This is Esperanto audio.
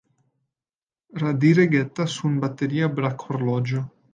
Radiregata sunbateria brakhorloĝo.